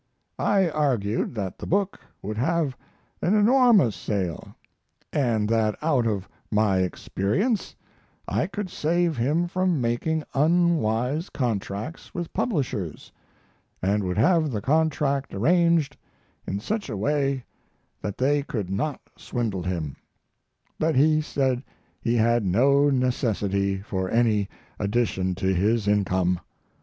I argued that the book would have an enormous sale, and that out of my experience I could save him from making unwise contracts with publishers, and would have the contract arranged in such a way that they could not swindle him, but he said he had no necessity for any addition to his income.